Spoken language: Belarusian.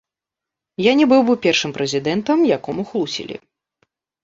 Я не быў бы першым прэзідэнтам, якому хлусілі.